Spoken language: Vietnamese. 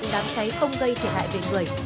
đám cháy không gây thiệt hại về người